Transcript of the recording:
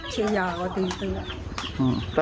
เชียวอย่างกว่าดีตัว